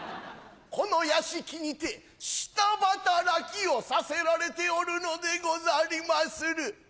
この屋敷にて下働きをさせられておるのでござりまする。